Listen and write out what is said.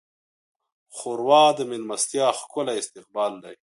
ښوروا د میلمستیا ښکلی استقبال دی.